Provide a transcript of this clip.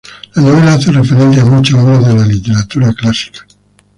La novela hace referencia a muchas obras de la literatura clásica.